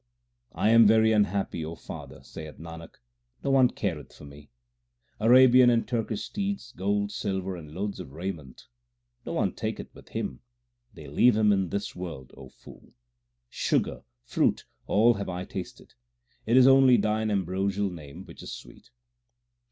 I am very unhappy, O father, saith Nanak, no one careth for me. Arabian and Turkish steeds, gold, silver, and loads of raiment No one taketh with him ; they leave him in this world, O fool. Sugar, fruit, all have I tasted ; it is only Thine ambrosial Name which is sweet.